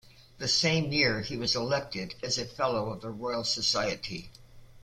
The same year he was elected as a Fellow of the Royal Society.